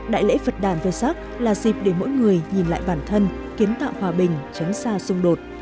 đại lễ phật đàn vsaf là dịp để mỗi người nhìn lại bản thân kiến tạo hòa bình chấn xa xung đột